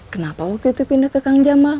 kenapa waktu itu pindah ke kang jamal